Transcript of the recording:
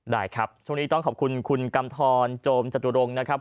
ได้ครับช่วงนี้ต้องขอบคุณคุณกำทรโจมจตุรงค์นะครับ